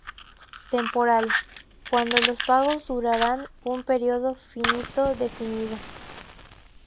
Temporal: cuando los pagos durarán un periodo finito definido.